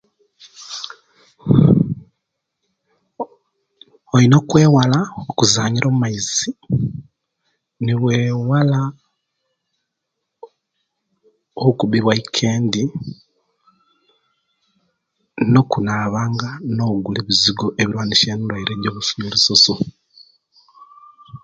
Olina okwewala okusanyira omumaizi newala okubiwa oikendi no kunaabanga no kugula ebizigo ebilwanisya endwaile egyo'lususu